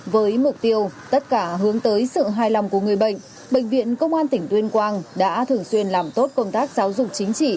với mục tiêu tất cả hướng tới sự hài lòng của người bệnh bệnh viện công an tỉnh tuyên quang đã thường xuyên làm tốt công tác giáo dục chính trị